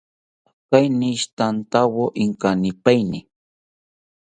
Akeinishitantawo inkanipaeni